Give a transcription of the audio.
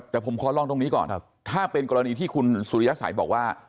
แต่ผมขอลองตรงนี้ก่อนถ้าเป็นกรณีที่คุณสุริยสัยบอกว่า